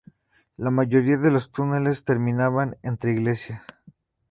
La mayoría de los túneles terminaban entre iglesias.